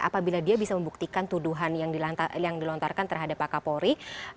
apabila dia bisa membuktikan tuduhan yang dilontarkan terhadap pak kapolri